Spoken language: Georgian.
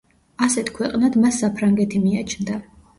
ასეთ ქვეყნად მას საფრანგეთი მიაჩნდა.